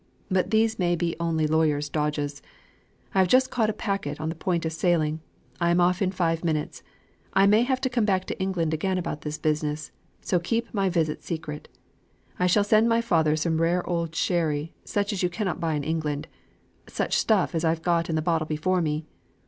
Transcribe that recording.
But these may be only lawyer's dodges. I have just caught a packet on the point of sailing I am off in five minutes. I may have to come back to England again on this business, so keep my visit secret. I shall send my father some rare old sherry, such as you cannot buy in England, (such stuff as I've got in the bottle before me)!